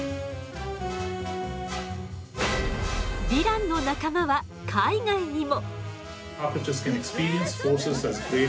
ヴィランの仲間は海外にも！